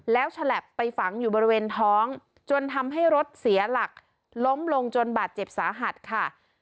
แล้วฉลับไปฝังอยู่บริเวณท้องจนทำให้รถเสียหลักล้มลงจนบาดเจ็บสาหัสค่ะ